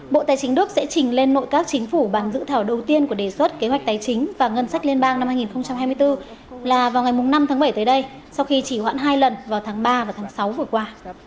bộ tài chính đức sẽ trình lên nội các chính phủ bàn dự thảo đầu tiên của đề xuất kế hoạch tài chính và ngân sách liên bang năm hai nghìn hai mươi bốn là vào ngày năm tháng bảy tới đây sau khi chỉ hoãn hai lần vào tháng ba và tháng sáu vừa qua